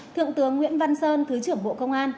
thượng tướng nguyễn văn sơn thứ trưởng bộ công an